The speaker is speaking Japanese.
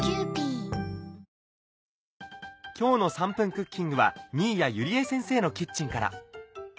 今日の『３分クッキング』は新谷友里江先生のキッチンから。